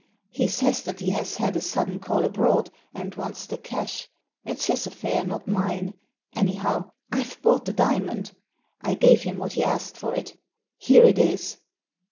He says that he has had a sudden call abroad, and wants the cash. It's his affair, not mine. Anyhow, I've bought the diamond. I gave him what he asked for it Here it is."